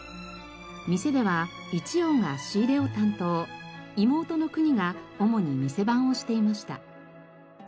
店では一葉が仕入れを担当妹のくにが主に店番をしていました。